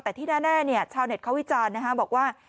แต่ที่แน่ชาวเน็ตเขาวิจารณ์บอกว่า